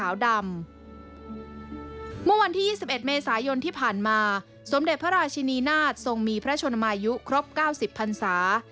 เมื่อวันที่๒๑เมษายนที่ผ่านมาสมเด็จพระราชินีนาฏทรงมีพระชนมายุครบ๙๐พันศา